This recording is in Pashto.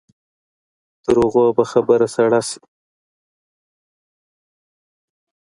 تر هغو به خبره سړه شي.